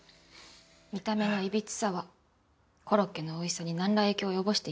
見た目のいびつさはコロッケの美味しさになんら影響を及ぼしていません。